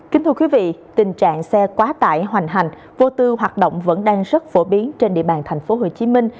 kính thưa quý vị tình trạng xe quá tải hoành hành vô tư hoạt động vẫn đang rất phổ biến trên địa bàn tp hcm